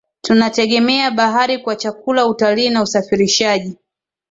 Tunategemea bahari kwa chakula utalii na usafirishaji